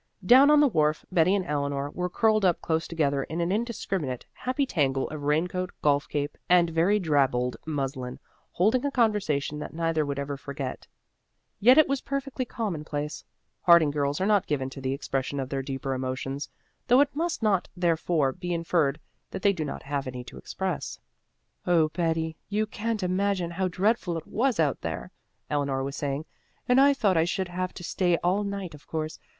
Down on the wharf Betty and Eleanor were curled up close together in an indiscriminate, happy tangle of rain coat, golf cape, and very drabbled muslin, holding a conversation that neither would ever forget. Yet it was perfectly commonplace; Harding girls are not given to the expression of their deeper emotions, though it must not therefore be inferred that they do not have any to express. "Oh, Betty, you can't imagine how dreadful it was out there!" Eleanor was saying. "And I thought I should have to stay all night, of course.